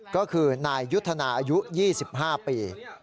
ก็คือนายยุทธนาอายุ๒๕ปี